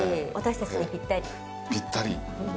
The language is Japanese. ぴったり。